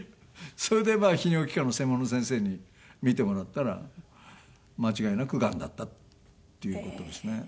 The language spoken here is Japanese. それでまあ泌尿器科の専門の先生に診てもらったら間違いなくがんだったという事ですね。